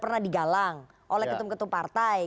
pernah digalang oleh ketum ketum partai